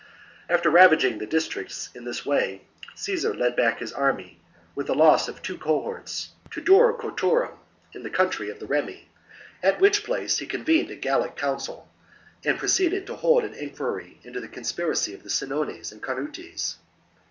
44. After ravaging the districts in this way, Execution Caesar led back his army, with the loss of two cohorts, to Durocortorum in the country of the [Reims.] Remi, at which place he convened a Gallic council and proceeded to hold an inquiry into the conspiracy of the Senones and Carnutes.